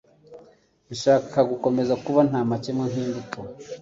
Ashaka gukomeza kuba ntamakemwa nk'imbuto